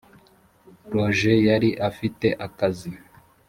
roger yari afite akazi